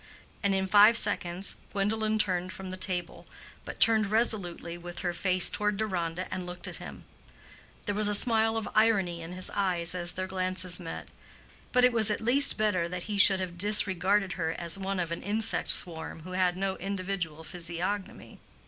And in five seconds Gwendolen turned from the table, but turned resolutely with her face toward Deronda and looked at him. There was a smile of irony in his eyes as their glances met; but it was at least better that he should have kept his attention fixed on her than that he disregarded her as one of an insect swarm who had no individual physiognomy.